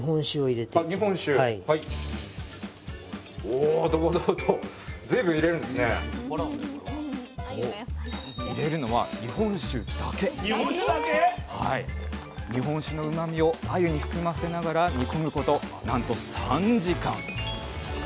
おどぼどぼとそう入れるのは日本酒のうまみをあゆに含ませながら煮込むことなんと３時間！